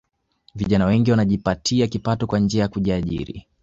Vijana wengi wanajipatia kipato kwa njia ya kujiajiri